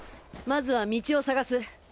まずは道を探す。